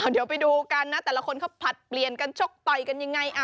เดี๋ยวไปดูกันนะแต่ละคนเขาผลัดเปลี่ยนกันชกต่อยกันยังไง